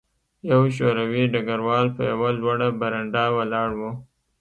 یو شوروي ډګروال په یوه لوړه برنډه ولاړ و